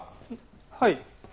はい。